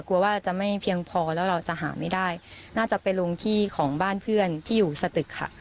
กลัวว่าจะไม่เพียงพอแล้วเราจะหาไม่ได้น่าจะไปลงที่ของบ้านเพื่อนที่อยู่สตึกค่ะ